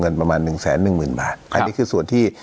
ประมาณหนึ่งแสนหนึ่งหมื่นบาทอันนี้คือส่วนที่